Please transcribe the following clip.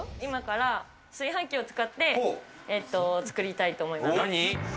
炊飯器を使って作りたいと思います。